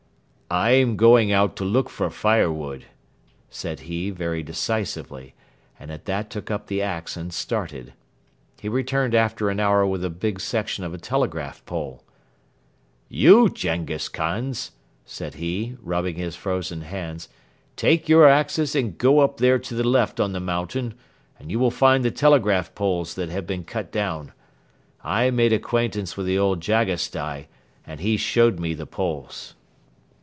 "I am going out to look for firewood," said he very decisively; and at that took up the ax and started. He returned after an hour with a big section of a telegraph pole. "You, Jenghiz Khans," said he, rubbing his frozen hands, "take your axes and go up there to the left on the mountain and you will find the telegraph poles that have been cut down. I made acquaintance with the old Jagasstai and he showed me the poles."